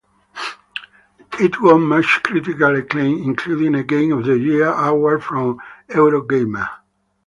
It won much critical acclaim, including a Game of the Year award from Eurogamer.